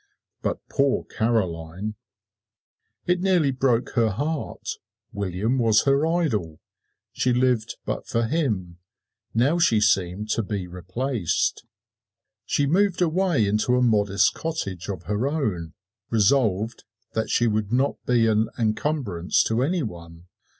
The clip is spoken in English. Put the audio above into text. But poor Caroline! It nearly broke her heart. William was her idol she lived but for him now she seemed to be replaced. She moved away into a modest cottage of her own, resolved that she would not be an encumbrance to any one.